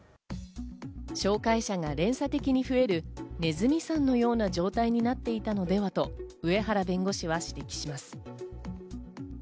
紹介者が連鎖的に増えるネズミ算のような状態になっていたのではと上原弁護士は指摘します。